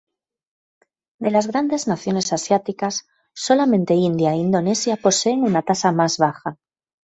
De las grandes naciones asiáticas, solamente India e Indonesia poseen una tasa más baja.